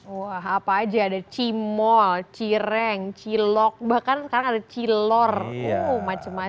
wah apa aja ada cimol cireng cilok bahkan sekarang ada cilor macam macam